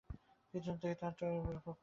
পিছন হইতে কে তাহার চোখ টিপিয়া ধরিল।